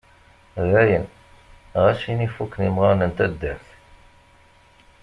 Dayen, ɣas ini fukken imɣaren n taddart.